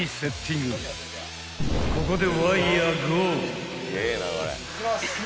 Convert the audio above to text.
［ここで］